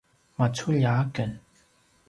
maculja aken